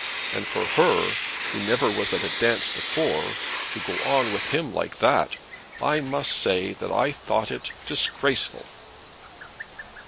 And for her, who never was at a dance before, to go on with him like that; I must say that I thought it disgraceful!"